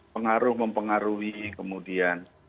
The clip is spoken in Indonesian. pengaruh mempengaruhi kemudian